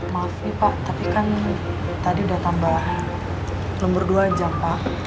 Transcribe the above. maaf nih pak tapi kan tadi udah tambah nomor dua jam pak